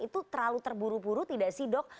itu terlalu terburu buru tidak sih dok